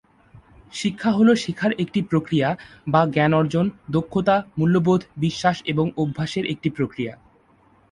শিক্ষা হল শেখার একটি প্রক্রিয়া, বা জ্ঞান অর্জন, দক্ষতা, মূল্যবোধ, বিশ্বাস এবং অভ্যাসের একটি প্রক্রিয়া।